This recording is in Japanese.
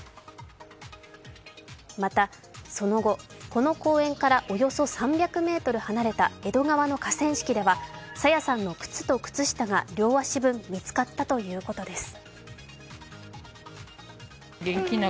またその後、この公園からおよそ３００ｍ離れた江戸川の河川敷では、朝芽さんの靴と靴下が両足分見つかったということです。